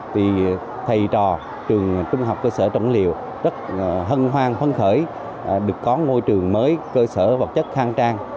thì thầy trò trường trung học cơ sở trần huy liệu rất hân hoan hân khởi được có ngôi trường mới cơ sở vật chất khang trang